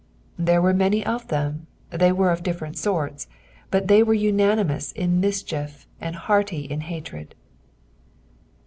There were many of them, they were of different Borta, but they were unanimoua in miHcfaief and hearty in hatred.